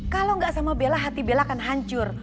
kalau gak sama bella hati bella akan hancur